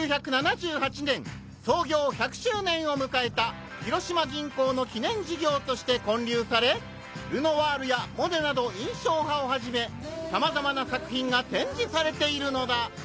１９７８年創業１００周年を迎えた『広島銀行』の記念事業として建立されルノワールやモネなど印象派をはじめ様々な作品が展示されているのだ！